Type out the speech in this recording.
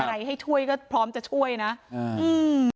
ให้ช่วยก็พร้อมจะช่วยนะอืม